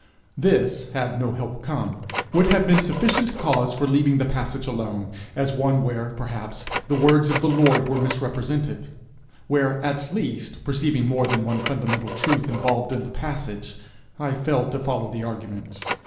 This, had no help come, would have been sufficient cause for leaving the passage alone, as one where, perhaps, the words of the Lord were misrepresented where, at least, perceiving more than one fundamental truth involved in the passage, I failed to follow the argument.